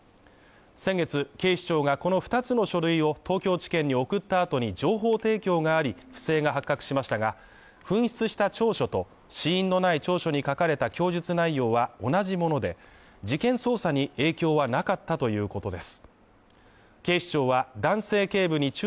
先月、警視庁がこの二つの書類を東京地検に送った後に情報提供があり、不正が発覚しましたが紛失した調書と指印のない調書に書かれた供述内容は同じもので事件捜査に影響はなかったということです。